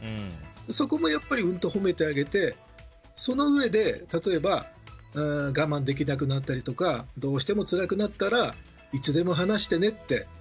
そこもやっぱりうんと褒めてあげてそのうえで、例えば我慢できなくなったりとかどうしてもつらくなったらいつでも話してねって。